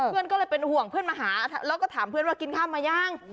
เพื่อนก็เลยเป็นห่วงเพื่อนมาหาแล้วก็ถามเพื่อนว่ากินข้าวมายัง